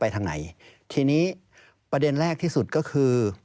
ทีนี้ประเด็นแรกที่สุดก็คือ